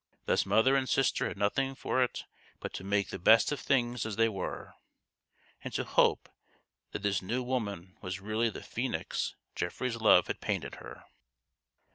Thus mother and sister had nothing for it but to make the best of things as they were, and to hope that this new woman was really the phoenix Geoffrey's love had painted her.